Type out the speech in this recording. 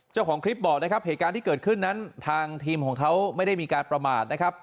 เจ้าของคลิปบอกนะครับเหตุการณ์ที่เกิดขึ้นนั้นทางทีมของเขาไม่ได้มีการประมาทนะครับ